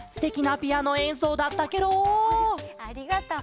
ありがとう。